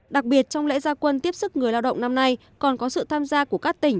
đặc biệt trong lễ gia quân tiếp sức người lao động năm nay còn có sự tham gia của các tỉnh